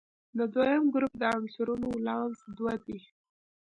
د دویم ګروپ د عنصرونو ولانس دوه دی.